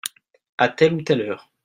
À telle ou telle heure.